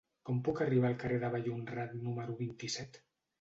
Com puc arribar al carrer de Vallhonrat número vint-i-set?